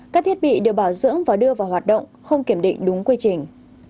các thiết bị được bảo dưỡng và đưa vào hoạt động không kiểm định đúng quy trình